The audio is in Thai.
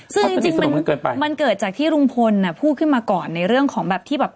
ซึ่งจริงมันเกิดจากที่ลุงพลพูดขึ้นมาก่อนในเรื่องของแบบที่แบบ